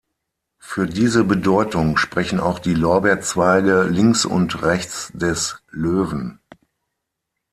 Für diese Bedeutung sprechen auch die Lorbeerzweige links und rechts des Löwen.